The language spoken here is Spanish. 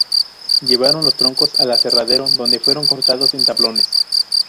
Llevaron los troncos al aserradero donde fueron cortados en tablones.